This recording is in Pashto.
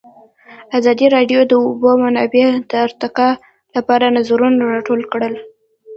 ازادي راډیو د د اوبو منابع د ارتقا لپاره نظرونه راټول کړي.